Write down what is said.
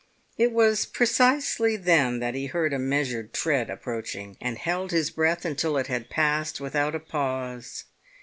It was precisely then that he heard a measured tread approaching, and held his breath until it had passed without a pause.